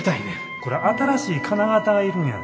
これ新しい金型が要るんやで。